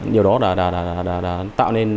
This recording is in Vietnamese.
điều đó đã tạo nên